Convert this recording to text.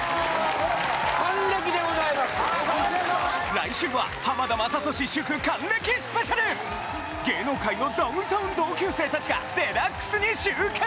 来週は浜田雅功祝還暦スペシャル芸能界のダウンタウン同級生達が『ＤＸ』に集結！